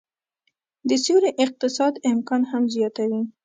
د سیوري اقتصاد امکان هم زياتوي